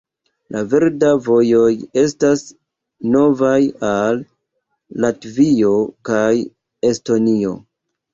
La verdaj vojoj estas novaj al Latvio kaj Estonio.